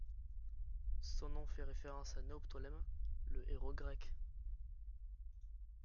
Son nom fait référence à Néoptolème le héros grec.